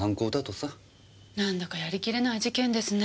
何だかやりきれない事件ですね。